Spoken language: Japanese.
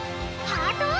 ハートを！